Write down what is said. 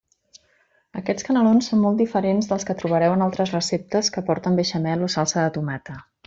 Aquests canelons són molt diferents dels que trobareu en altres receptes, que porten beixamel o salsa de tomata.